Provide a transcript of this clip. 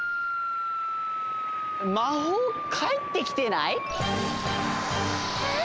まほうかえってきてない？え？